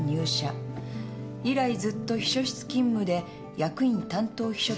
以来ずっと秘書室勤務で役員担当秘書だった。